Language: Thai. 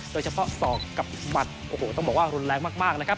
โดยเฉพาะศอกกับหมัดโอ้โหต้องบอกว่ารุนแรงมากนะครับ